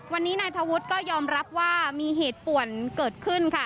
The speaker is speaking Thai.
วันนี้นายธวุฒิก็ยอมรับว่ามีเหตุป่วนเกิดขึ้นค่ะ